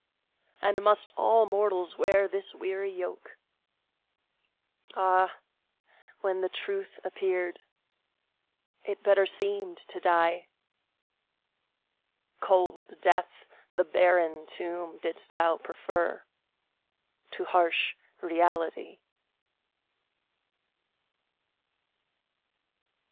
And must all mortals wear this weary yoke? Ah, when the truth appeared, It better seemed to die! Cold death, the barren tomb, didst thou prefer To harsh reality.